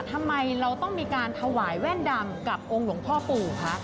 ทำไมเราต้องมีการถวายแว่นดำกับองค์หลวงพ่อปู่คะ